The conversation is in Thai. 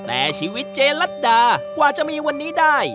แต่ชีวิตเจลัดดากว่าจะมีวันนี้ได้